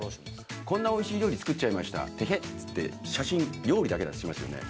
「こんなおいしい料理作っちゃいました。テヘ」って写真料理だけだとしますよね。